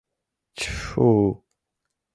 — Чффу-у...